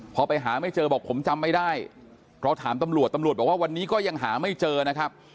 พอไปหาไม่เจอบอกผมจำไม่ได้เราถามตำรวจตำรวจบอกว่าวันนี้ก็ยังหาไม่เจอนะครับ